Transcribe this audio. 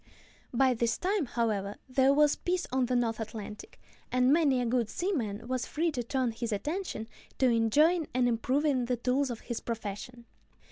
By this time, however, there was peace on the North Atlantic, and many a good seaman was free to turn his attention to enjoying and improving the tools of his profession.